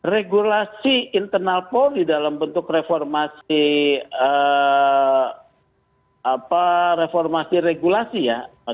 regulasi internal polri dalam bentuk reformasi reformasi regulasi ya